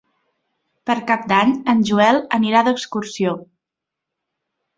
Per Cap d'Any en Joel anirà d'excursió.